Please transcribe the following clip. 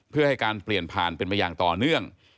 เพื่อให้การเปลี่ยนผ่านเป็นมาอย่างต่อเนื่อง